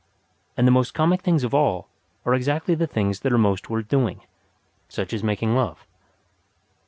And the most comic things of all are exactly the things that are most worth doing such as making love.